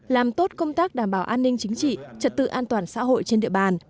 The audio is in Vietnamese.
làm tốt công tác đảm bảo an ninh chính trị trật tự an toàn xã hội trên địa bàn